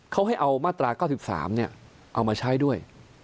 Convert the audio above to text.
เค้าให้เอามาตรา๙๓เนี่ยเอามาใช้ด้วย